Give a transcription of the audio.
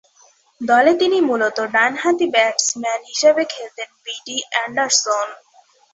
দলে তিনি মূলতঃ ডানহাতি ব্যাটসম্যান হিসেবে খেলতেন বিডি অ্যান্ডারসন।